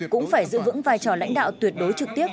cũng phải giữ vững vai trò lãnh đạo tuyệt đối trực tiếp